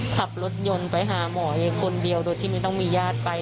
ขับรถยนต์ไปหาหมอเองคนเดียวโดยที่ไม่ต้องมีญาติไป